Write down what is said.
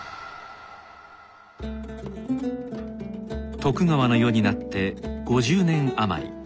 徳川の世になって５０年余り。